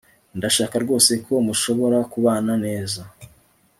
Ndashaka rwose ko mushobora kubana neza